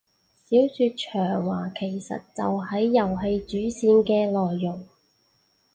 小說長話其實就係遊戲主線嘅內容